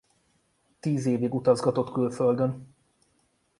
Tíz évig utazgatott külföldön.